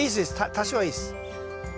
多少はいいです。